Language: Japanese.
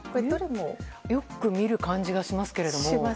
よく見る感じがしますけれども。